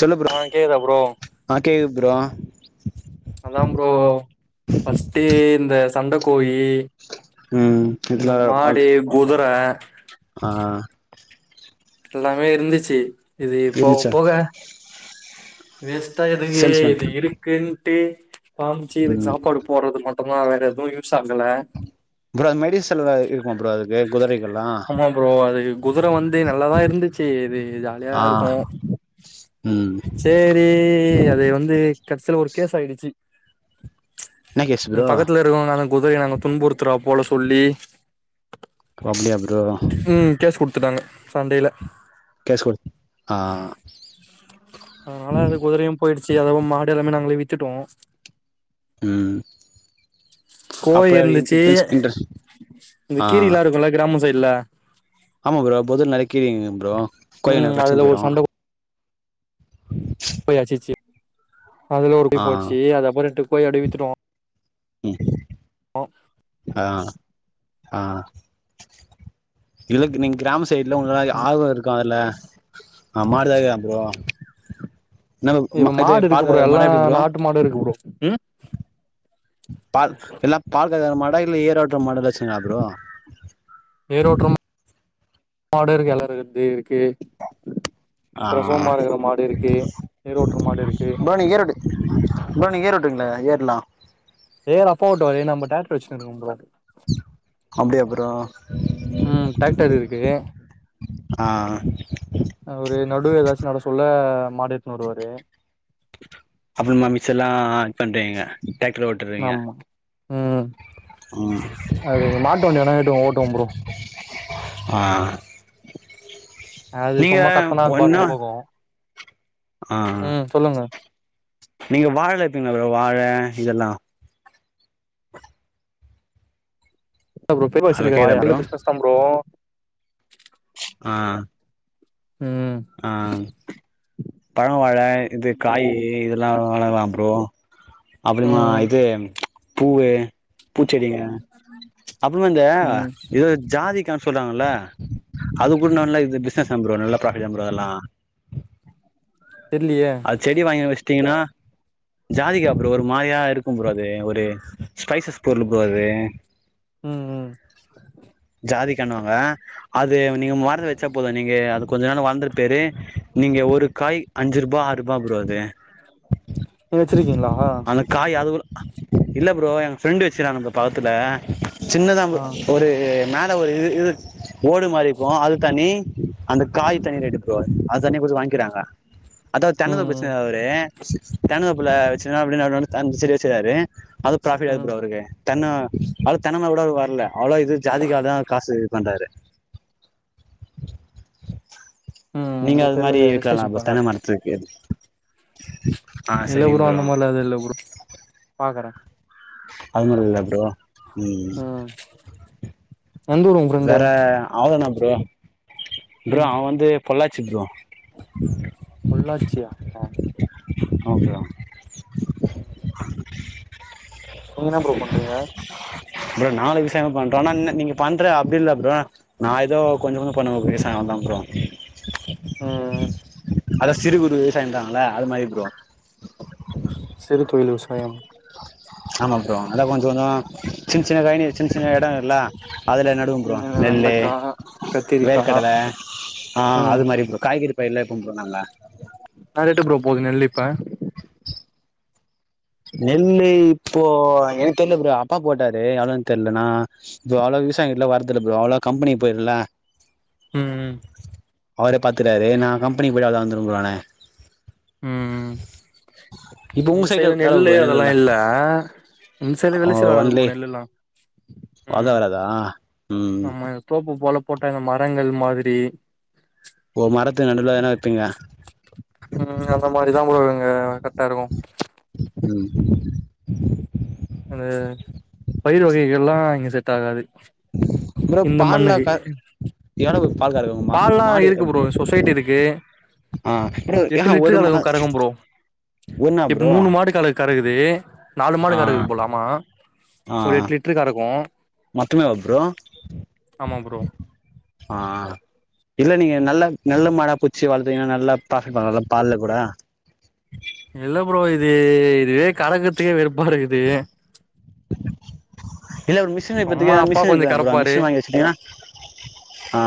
சொல்லு ப்ரோ உனக் கேக்தா ப்ரோ ஆ கேக்குது ப்ரோ அதா ப்ரோ ஃபஸ்ட்டு இந்த சண்ட கோழி ம் இதுல இந்த ஆல் மாடு குதுர ஆ எல்லாமே இருந்துச்சு இது போக இருந்துச்சா போக வேஸ்ட்டா எதுக்கு சேல்ஸ்மேன் இது இருக் குன்ட்டு காமிச்சி இதுக்கு ம் சாப்பாடு போறது மட்டுதா வேற எதுக்கு யூஸ் ஆகல ப்ரோ மெடிசல்லா இருக்குமா ப்ரோ அதுக்கு குதிரைக்கெல்லா அ இருந்துச்சு இது ஜாலியா ஆ இருக்கு ம் சேரி க்கு அது வந்து கடைசில ஒரு கேஸ் ஆயிடுச்சு என்ன கேஸ் ப்ரோ ம் பக்கத்துல இருக்குளவங்க குதிரைய நாங்க துன்புறுத்துறா போல சொல்லி அப்டியா ப்ரோ ம் கேஸ் குடுத்துட்டாங்க சண்டையில கேஸ் குடுத் ஆ அதனால அது குதிரையு போயிருச்சு அதவு மாடெல்லாமே நாங்களே வித்துட்டோ ம் அப்ப கோழிருந்துச்சு இன்டஸ் இன்ட்ரஸ் இந்த ஆ கீரிலா இருக்குல்ல கிராம சைல்ல ஆமா ப்ரோ அப்போது நெனைக்கிறீங்க ப்ரோ ம் கொஞ்சநேரோ வச்சுன் அதுல ஒரு போய்ரு சண்ட போய் அட்சிச்சு ஆல்ரெடி ஒரு ஆ அப்டியே போச்சு அது அப்போ ரெண்டு கோழி அப்டியே வித்துட்டோ ம் ம் ஒ ஆ ஆ இதுக் நீங்க கிராமஸ் சைடுல உங்களுக்கு ஆர்வோ இருக்கு அதுல அம்மாடுதா ஏன் ப்ரோ இன்னோ ம இப்ப இது மாடு இருக்கு பால் கற ப்ரோ உங் எல்லா மாடு எப்டி ப்ரோ நாட்டு மாடு இருக்கு ப்ரோ ம் பால் எல்லா பால் கறக்கற மாடா இல்ல ஏரோட்ற மாடலா வச்சுருக்ங்ளா ப்ரோ ஏரோட்ற மாடு இருக்கு எல்லாருக்து இரு க்கு ஆ பிரசுவுமா இருக்குற மாடு இருக்கு ஏரோட்ற மாடு இருக்கு ப்ரோ நீங்க ஈரோடு ப்ரோ நீங்க ஏர் ஓட்டுவீங்ளா ஏர்லா ஏர் அப்பா ஓட்டுவாரு நம்ம டிராக்ட்ரு வச்சினிர்க்குறோ ப்ரோ அப்டியா ப்ரோ ம் டிராக்டர் இருக்கு ஆ அவரு நடு எதாச்சு நடசுல்ல மாடு எட்த்துன் வருவாரு அப்புறுமா மிச்செல்லா பண்றீங்க டிராக்ட்ரு ஓட்டுறீங்க ஆமா ம் ம் அது மாட்டுவண்டி எதுனா எட்டுன் ஓட்டுவன் ப்ரோ ஆ அது நீங்க சும்மா கத்துனா ஒன்னா அதுப்பாட்னு போகு ஆ ம் சொல்லுங்க நீங்க வாழலா ஏத்துவீஙளா ப்ரோ வாழ இதெல்லா [unintelligible] ப்ரோ பெருவ ஹலோ வச்சிருக்க கேக்குதா வாழ ப்ரோ அந்த பிஸ்னஸ்தான் ப்ரோ ஆ ம் ஆ பழோ வாழ இது காயி இதெல்லா எவுளோ நாளா ப்ரோ அப்புறுமா ம் இது பூவு பூச்செடிங்க அப்புறமா இந்த ம் இதவிட ஜாதி க்தா சொல்றாங்கல்ல அது கூட்னோன்னே இது பிஸ்னஸ்தா ப்ரோ நல்லா பிராஃபிட்தா ப்ரோ அதல்லா தெர்லியே செடி வாங்கி வச்ட்டீங்கனா ஜாதிக்கா ப்ரோ ஒரு மாரியா இருக்கும் ப்ரோ அது ஒரு ஸ்பைசஸ் பொருளு ப்ரோ அது ம் ம் ஜாதிக்காணுவாங்க அது நீங்க உங்க மரத்துல வச்சா போது நீங்க அது கொஞ்ச நாள்ல வள்ந்துருப்பேரு நீங்க ஒரு காய் அஞ்சுரு பா ஆறுபா ப்ரோ அது நீங்க வச்சிருக்கீங்களா ஆ ஆனா காய் அதுக்குல்ல இல்ல ப்ரோ என் ஃபிரெண்டு் வச்சுகிறாங்க ப்ரோ பக்கத்துல சின்னதா ஒரு மேல ஒரு இது இது ஓடு மாரி இருக்கூ அது தனி அந்த காய் தனி ரேட்டு ப்ரோ அது தனியா குடுத்து வாய்ங்க்கிறாங்க அதா ம் தென்னந்தோப்பு ம் வச்சிர்ந்தார் அவரு தென்னந்தோப்புல வச்சுன் அப்டின் அவரு வந்து அந்த செடி வச்சிர்ந்தாரு அது பிராஃபிட்டாகுது ம் ப்ரோ அவருக்கு தென்ன அவருக் தென்னமரோ கூட அவருக் வர்ல அவுளோ இது ஜாதிக்காதா காசு இது பண்றாரு ம் நீங்க எனக்கு அது தெர்ல மாரி வைக்கலால ரிசர்ச் ப்ரோ பாக்குற தென்னமரத்ல வைக்கற்து இல்ல ப்ரோ அந்த மார்லா எது இல்ல ப்ரோ பாக்குற அது மாரி இல்லயா ப்ரோ ம் ம் எந்த ஊரு உங்க ஃப்ரெண்டு வேற அவ்ளோதா ப்ரோ ப்ரோ ம் அவன் வந்து பொள்ளாட்சி ப்ரோ பொள்ளாச்சியா ஆ அப்டியா நீங்க என்ன ப்ரோ பண்றீங்க ப்ரோ நாலு விஷயமா பண்றோ நா நீங்க பண்றது அப்டி இல்ல ப்ரோ நா ஏதோ கொஞ்ஜோ கொஞ்ஜோ பண்ணுவ விவசாயோ அவ்வளதா ப்ரோ ம் அத சிறு குறு விவசாய இருக்காங்க இல்ல அது மாரி ப்ரோ சிரு தொழில் விவசாயம் ஆமா ப்ரோ அதா கொஞ்ஜோ கொஞ்ஜோ சின்ன சின்ன கழினி சின்ன சின்ன எடோ இருக்குல்லா அதுல நடுவ ப்ரோ நெல்லு ஆ ஆ வேர்க்கடல ஆ ம் அது மாரி ப்ரோ காய்கறி பயிலா வெப்போ ப்ரோ நாங்க என்னா ரேட்டு ப்ரோ போது நெல்லிப்ப நெல்லு இப்போ எனக்கு தெர்ல ப்ரொ அப்பா போட்டாரு அதா தெரில நா இப்ப அவ்ளவ் விவசாயி கிட்டல்லா வர்ரதில்ல ப்ரொ அவ்ளோ கம்பனி போயிருல்ல ம் உம் அவரே பாத்துக்குராரு நா கம்பெனி பொய்ட்டாதா வந்துருவெ ப்ரொ நானு உம் இப்போ உங்க ம் சைடு செரி நெல்லு ல்லு எவ்ளோ அதெல்லா நெல்லுலா இல்ல இன்சைட்டு விலைச்சல் வராது ப்ரோ நெல் எல்லா அது வராதா உம் நம்ம தோப்பு போல போட்டாங்க மரங்கள் மாத்ரி ஒ மரத்த நடுவுல எதுனா உம் அந்த மாரிதா அவங்க இங்க கரெக்டா இருக்கு உம் அந்த பயிர் வகைகள்லா இங்க செட் ஆகாது ப்ரோ இந்த பால்ல மண்ணுக்கு க எவ்ளொ பால்கரக்கு உங்க உங்க பால்லா மாடு இருக்கு ப்ரோ சொசைட்டி இருக்கு ஆ ப்ரோ எட்டு ஆஹா லிட்டரு ஒரு அலவு மா கரக்கும் ப்ரோ ஒன்னா இப்ப ப்ரோ மூணு மாடு கல கறகுது நாலு மாடு ஆ கறகுது போல ஆமா ஆ ஒரு எட்டு லிட்டரு கரக்கு மொத்தமேவா ப்ரொ ப்ரோ ஆ இல்ல நீங்க நல்ல நல்ல மாடா புச்சி வளத்துங்கன்னா நல்லா ப்ராபிட் பாக்கலா இல்ல பால்ல கூட இல்ல ப்ரோ இது இதுவே கலக்கத்துக்கே வெறுப்பாருகுது இல்ல ஒரு மிஷின் சும்மா பாத்தீங்கன்னா அப்பா மிஷின் கொஞ்சோ இருக்கல்ல ப்ரொ கறப்பாரு மிஷின் வாங்கி வச்சுட்டீங்கனா ஆ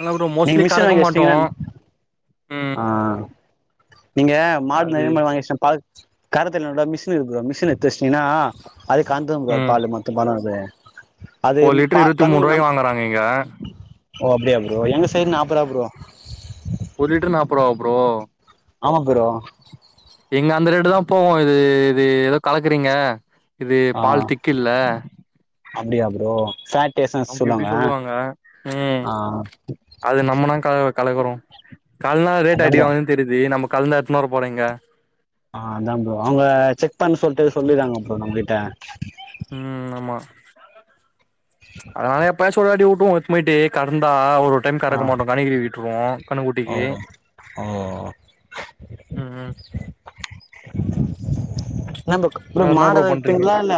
இல்ல ப்ரோ நீங்க மோஸ்ட்லி மிஷின் கறக்க வாங்கி மாட்டோ வச்சுட்டீங்கன்னா ஆ ம் நீங்க மாடு அது நெறய மாடு வாங்கி வெச்சிட்டா பால் கரக்குருதுக்குதா மிஷின் இருக்கு ப்ரொ மிஷின் எடுத்து வெச்சிடினா அதுக்கு கரந்துரு ப்ரோ ம் பால் மொத் [unintelligible] அது ஒரு லிட்டர் பா இருபத்தி மூணு கண்ணு நம் ரூபாய்க்கு வாங்குறாங்க இங்க ஓ அப்டியா ப்ரோ எங்க சைட் நாப்ப ரூபா ப்ரோ ஒரு லிட்ரு நாப்ப ரூபாவ ப்ரோ ஆமா ப்ரோ எங்க அந்த ரெட்டு தா போவு இது இது ஏதோ கலக்குறீங்க இது பால் திக்கில்ல அப்டியா ப்ரோ சா அப்டி இப்டி சொல்வாங்க ஆ அது நம்மனா கல கலக்குறோ கலுக்குனா ரேட் அதான் ப்ரோ அடிவாங்குதுனு தெரியுது நம்ம கலந்தா எத்னு வர போறொ இங்க ஆ அதான் ப்ரோ அவுங்க செக் பண்ணு சொல்ட்டு சொல்லிட்றாங்க ப்ரோ நம்பகிட்ட ம் ஆமா அதனால எப்பயாச்சும் ஒரு வாட்டி உட்டுவோம் போய்ட்டு கடந்தா ஒரு டைம் ஆ கறக்க மாட்டோம் கன்னுகறி விட்ருவோ ஓ கன்னக்குட்டிக்கு ஓ ம்ம் நம்புக் ப்ரொ வேற என்ன மாடு ப்ரோ பண்றீங்க வெப்பிங்லா இல்ல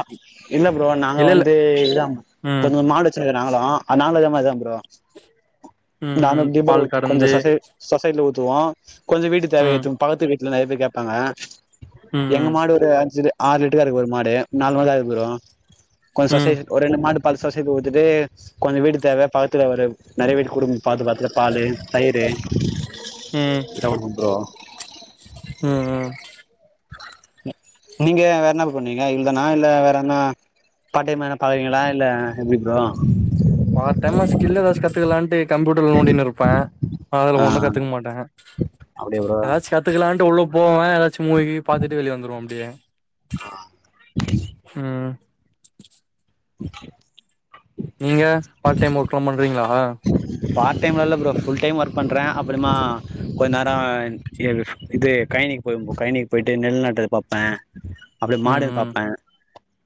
இல்ல ப்ரோ நாங்க இல்ல இல்ல வந்து இதா ம் கொஞ்ச மாடு சரி நாங்களும் நாங்களும் இதமாரிதா ப்ரொ [inaudible] [unintelligible] ம் பால் கறந்து சொசைட்ல ஊத்துவோம் கொஞ்சோம் வீட்டு தேவ ம் ஏத்துனு பக்கத்து வீட்ல நறைய பேர் கேப்பாங்க ம் எங்க ம் மாடு ஒரு அஞ்சு ஆறு லிட்டர் கரக் ஒரு மாடு நாலு மாடு ஆய்போய்டும் கொஞ்ச ம் சொசைட் ஒரு ரெண்டு மாடு பாத்து சொசைட்டிக்கு வித்துட்டு கொஞ்ச வீடு தேவ பக்கத்ல ஒரு நறைய வீடு குடும்ப பாத்து பகத்ல பாலு தயிரு ம் இதல்ல ப்ரொ ம் ம் நீங்க வேற என்னப் பண்ணுவீங்க இவ்ல்தானா இல்ல வேறனா பார்ட்டைம் எதனா பாக்றிங்களா இல்ல எப்டி ப்ரோ பார்ட் டைமா ஸ்கில் ஏதாச்சு கத்துக்கலாண்ட்டு கம்ப்யூட்டர்ல நோண்டினுருப்பேன் அதுல ஆ ஒன்னு கத்துக்க மாட்டேன் அப்டியா ப்ரோ ஏதாச்சு கத் கத்துக்கலான்ட்டு உள்ள போவேன் எதாச்சும் மூவி கீவி பாத்துட்டு வெளிய வந்துருவ அப்டியே ஆ ம் நீங்க பார்ட் டைம் ஒர்க்ல்லாம் பண்றீங்ளா பார்ட் டைம்ல இல்ல ப்ரோ ஃபுல் டைம் ஒர்க் பண்ணுறன் அப்பறமா கொஞ்ச நரோ இது கைனிக்கு போவ ஃப்ரோ கைனிக்கு போயிட்டு நெல் நட்றத பாப்பன் அப்டி ம் மாடுனு ம் பாப்பன்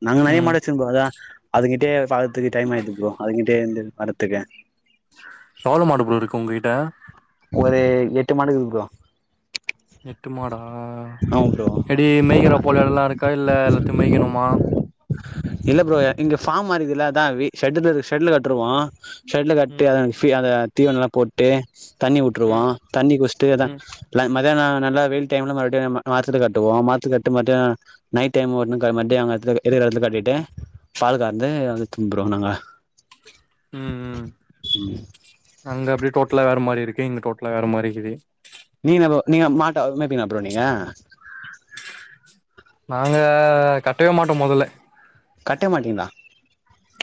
நாங்க நெறய ம் மாடு வச்சிருந்தோ அதான் அதுகிட்டே பாத் துக்க டைம் ஆயிது ப்ரோ அதுங்கிட்டே வந்து வரத்துக்கே எவ்ளோ மாடு ப்ரோ இருக்கு உங்ககிட்ட ஒரு எட்டு மாடு இருக்கு ப்ரோ எட்டு மாடா ஆமா ப்ரோ எப்டி மேய்கிறபோல எடெல்லா இருக்கா இல்ல எல்லாத்தையு மேய்க்கணுமா இல்ல ப்ரோ இங்க ஃபாம் மாரிகுதுல அதா வீ ஷேட் ஷேட்ல கட்ருவோம் ஷேட்ல கட்டி ம் அந்த தீவனோல்லா போட்டு தண்ணி ம் விட்ருவோம் தண்ணி குஸ்சிட்டு ம் அதான் மத்தியணோ நல்லா வெயில் டைம்ல மறுபுடியும் நம்ம மரத்துல கட்டுவோம் மரத்துல கட்டு மட்டோம் நைட் டைம் ஒன்னு க மதியோ கட்றது [unintelligible] ட்டு பால் கர்ந்து அத தும்புறோம் நாங்க ம் ம் ம் அங்க அப்டி டோட்டலா வேற மாரி இருக்கு இங்க டோட்டலா வேற மாரிக்குது நீ என்ன ப்ரோ நீங்க மாட்ட மேப்பீங்ளா ப்ரோ நீங்க நாங்க கட்டவே மாட்டோம் மொதல கட்ட மாட்டிங்ளா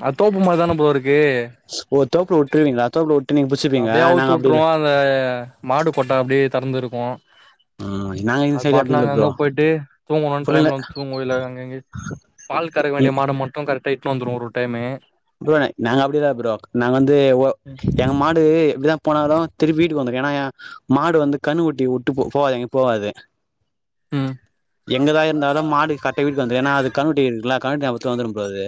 அ தோப்புமாரி தான ப்ரோ இருக்கு ஓ தோப்புல வுட்ருவீங்களா தோப்புல வுட்டு நீங்க புச்சுப்பீங்க ஆனா நாங்க அப்டி இல்ல அ மாடு கொட்டா அப்டியே தெறந்துருக்கோம் ம் நா அது பாட்ல அங்க அங்க போயிட்டு தூங்கணுன்ற ஃபுல்ல டைம்ல வந்து தூங்கு இல்ல அங்கங்க பால் கறக்க வேண்டிய மாட மட்டு கரெக்டா இட்டுனு வந்துருவோ ஒருர் டைமு ப்ரோ நாங்க அப்டி இல்ல ப்ரோ நாங்க வந்து ஒ எங்க மாடு இப்டிதா போனாலு திருப்பி வீட்டுக்கு வந்துக்கு ஏனா எ மாடு வந்து கண்ணு குட்டி உட்டு போ போகாது எங்கயு போகாது ம் எங்கதா இருந்தாலு மாடு கரட்ட வீட்டுக்கு வந்துரு ஏன்னா அது கன்னுகுட்டி இருக்குலா கன்னுகுட்டி ஞாபகத்துல வந்துரு ப்ரோ அது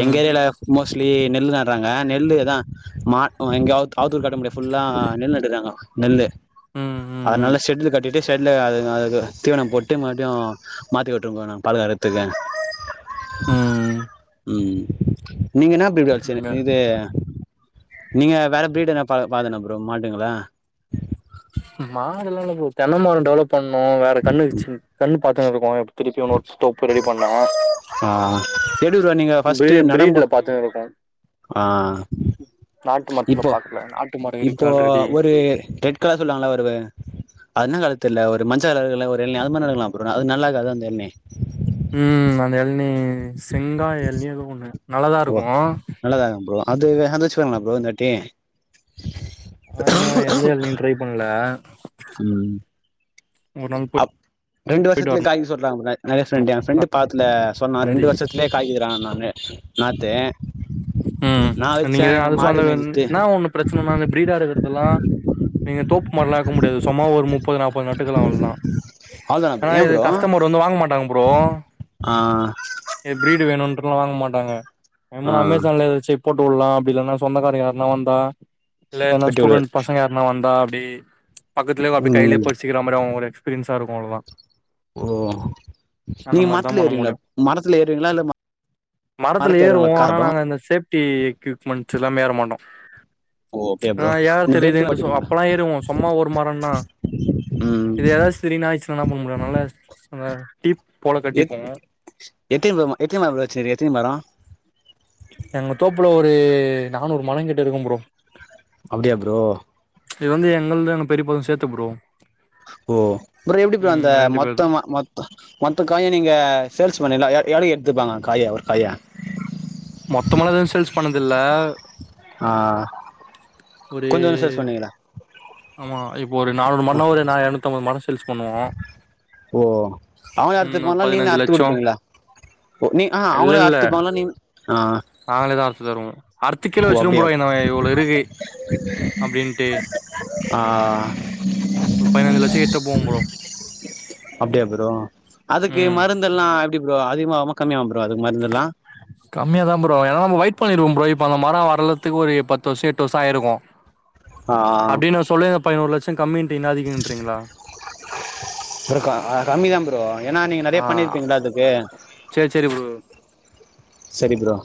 எங்க ஏரியால மோஸ் லி நெல் நடறாங்க நெல்லு தா மா இங்க ஆ ஆத்தூர் கட்ட முடியாது புல்லா நெல் நடுறாங்க நெல்லு ம் ம் ம் அதனால செட்ல கட்டிட்டு செட்ல அது அதுக்கு தீவனோ போட்டு மறுபடியு மாத்தி விட்டுருக்கோ நா பாலகரத்துக்கு ம் ம் நீங்க என்ன பேபி வளச்சுனு இல்ல இது நீங்க வேற ப்ரீடு என்ன பாக் பாதன்ன ப்ரோ மாட்டுங்களா மாடெல்லா இல்ல தென்னை மரம் டெவலப் பண்ணு வேற கண்ணு வெச்சி கண்ணு பாத்துன்னு இருக்கோ திருப்பியு நோட்ஸ் ஸ்டோப்பு ரெடி பண்ணுவே ஆ எப்டி ப்ரோ நீங்க பிரீ ஃபர்ஸ்ட் நடங்கோ பிரீட்ல பாத்துனு இருக்கோ ஆ நாட்டு மரத்துல இப்போ பாக்கல நா இப்போ ஒரு ரெட் கலர் சொல்வாங்களா வருவ அந்த காலத்துல ஒரு மஞ்ச கலர்ல ஒரு எளநி அது மாரி நடலா ப்ரோ அது நல்லாகாத அந்த எளநி ம் அந்த எழநி செங்காய் எழநி எத ஒண்ணு நல்லாதா இருக்கு நல்லதாங்க்கு ப்ரோ அது அத வச்சு பாருங்களே ப்ரோ இந்த வாட்டி ஆ இன்னு எந்த எளநீயு ட்ரை பண்ல ம் ஒரு நாள் போய் அப் ரெண்டு போயிட்டு வருஷத்லே வரணு காய்க்கு சொல்றாங்க நெறைய ஃப்ரெண்டு என் ஃப்ரெண்டு பக்த்துல சொன்னா ரெண்டு சந்தைக்கு வருஷத் லே காய்க்குறா நாங்க ம் வச்சே நீங்க எங்க அது மாடு சொன்ன மேஞ்சிட்டு நா ஒன்னு பிரச்சனனா அந்த பீரிடா இருக்கிறதுல்லா நீங்க தோப்பு மாரில்லா இருக்க முடியாது சொம்மா ஒரு முப் முப்பது நாப்பது நட்டுகள் அவ்ள தா அவ்ளோதானா ப்ரோ ஆனா ஏன் இது ப்ரோ கஸ்டமர் வந்து வாங்க மாட்டாங்க ப்ரோ ஆ ய ப்ரீடு வேணும்ன்றலா வாங்க மாட்டாங்க ஆ அமேசான்ல எதாச்சு போட்டுவுலா அப்டி இல்லன்னா சொந்தக்கார யார்னா வந்தா இல்ல எந்த வெட்டி விடு ஸ்டூடென்ட் பசங்க யார்னா னா வந்தா அப்டி பக்கத்துலே அப்டி கையிலே ம் புடிச்சுக்கிற மாரி அவங்க ஒரு எக்ஸ்பீரியன்ஸா இருக்கு அவ்ளதா ஓ அந்த நீங்க மாரிதா மரத்துல பண்ண ஏறீங்ளா முடியு மரத்துல ஏறுவிங்களா இல்ல மரத்துல மரத்து ஏறுவோ ஏறுவாங்களா கார் ஆனா ப்ரோ நாங்க அந்த சேப்டி எக்யூப்மெண்ட்ஸ் இல்லாம ஏற மாட்டோ ஓ அப்டியா ஆ ப்ரோ யா இந்த பெல்ட் தெரியுதுன்ட்டு மாட்டிப்பீங்களா அப்பல்லா ஏறுவோம் சொம்மா ஒரு மரம்னா ம் இது எதாச்சு திடீர்னு ஆயிச்சுனா என்னா பண்ண முடியு அதனால நல்லா டீப் போல எத் கட்டிப்போ எத்தினி மரோ எத்தனி மரோ ப்ரோ வச்சினிரு எத்தனி மரோ எங்க தோப்புல ஒரு நானூறு மரோம் கிட்ட இருக்கும் ப்ரோ அப்டியா ப்ரோ இது வந்து எங்கள்து எங்க பெரியப்பாது சேர்த்து ப்ரோ ஓ அப்பற எப்டி ப்ரோ அந்த ம் ரெண்டு பேர்து மொத்தமா மொ மொத்த காய நீங்க சேல்ஸ்மேன் இல்ல எவ்ளய்க்கு எடுத்துப்பாங்க காய ஒரு காய மொத்தமாலா எது சேல்ஸ் பண்ணது இல்ல ஆ ஒரு கொஞ்ச கொஞ்ச சேல்ஸ் பண்ணுவீங்களா ஆமா இப்போ ஒரு நானூறு ஆ மரோனா ஒரு எரநூத்தம்பது மரோ சேல்ஸ் பண்ணுவோ ஓ அவங்ளே ம் ஒரு அறுத்துப்பாங்ளா நீங்ளே பதினஞ்சு அறுத்து லட்சோ குடுப்பீங்ளா ஓ நீ ஆ அவங்களே அறுத்துப்பாங்ளா நீ ஆ நாங்ளே தா அறுத்து தருவோ அறுத்து கீழ ஓ வச்சுருவோ அப்டியா ப்ரோ இவ்ள இருக்கு அப்டின்ட்டு [unintelligible] ஆ ஒரு பதினஞ்சு லட்ச கிட்ட போகு ப்ரோ அப்டியா ப்ரோ அதுக்கு ம் மருந்தெல்லா எப்டி ப்ரோ அதிகமாவுமா கம்மியாவுமா ப்ரோ அதுக்கு மருந்தெல்லா கம்மியா தா ப்ரோ ஏனா நம்ம வெயிட் பண்ணிருவோ ப்ரோ இப்ப அந்த மரோ வற்ளதுக்கு ஒரு பத்து வருஷோ எட்டு வருஷோ ஆயிருக்கு ஆ அப்டின் நா சொல்லே பதினொரு லட்சம் கம்மின்றிங்ளா அதிகன்றிங்ளா இருக்கு கம்மிதா ப்ரோ ஏன்னா நீங்க நெறைய ஆ பண்ணிருப்பீங்கள அதுக்கு சேரி சேரி ப்ரோ சரி ப்ரோ